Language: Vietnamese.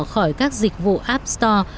khỏi các dịch vụ app store